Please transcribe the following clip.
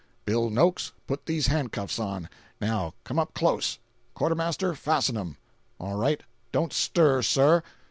Bill Noakes, put these handcuffs on; now come up close. Quartermaster, fasten 'em. All right. Don't stir, sir.